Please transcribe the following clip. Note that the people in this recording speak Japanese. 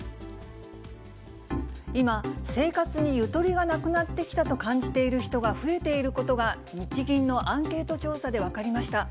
今、生活にゆとりがなくなってきたと感じている人が増えていることが、日銀のアンケート調査で分かりました。